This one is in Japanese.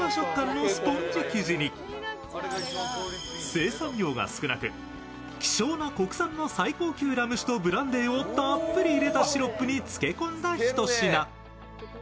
生産量が少なく希少な国産の最高級ラム酒とブランデーをたっぷり入れたシロップにつけ込んだひと品。